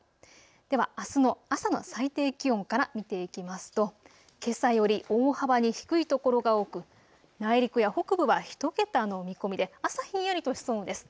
ではあすの朝の最低気温から見ていきますと、けさより大幅に低いところが多く、内陸や北部は１桁の見込みで朝、ひんやりとしそうです。